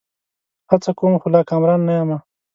هڅه کوم؛ خو لا کامران نه یمه